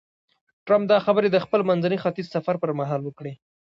ټرمپ دا خبرې د خپل منځني ختیځ سفر پر مهال وکړې.